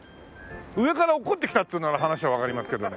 上から落っこちてきたっていうなら話はわかりますけど。